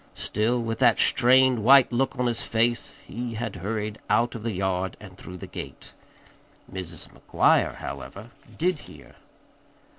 Still with that strained, white look on his face he had hurried out of the yard and through the gate. Mrs. McGuire, however, did hear.